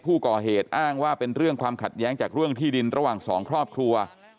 ผู้ก่อเหตุอ้างว่าเป็นเรื่องความขัดแย้งจากเรื่องที่ดินระหว่างสองครอบครัว